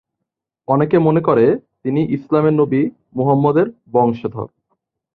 অনেকে মনে করে তিনি ইসলামের নবী মুহাম্মদ-এর বংশধর।